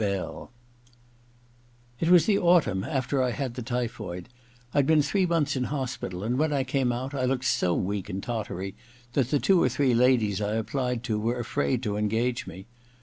BELL 119 i ^ I It was the autumn after I had the typhoid, rd been three months in hospital, and when I came out I looked so weak and tottery that the two or three ladies I applied to were afraid to engage me.